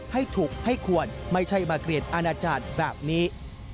ให้ถูกให้ควรไม่ใช่มาเกลียดอาณาจารย์แบบนี้